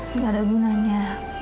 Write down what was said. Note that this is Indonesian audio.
nggak ada gunanya